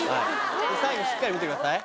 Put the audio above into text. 最後しっかり見てください。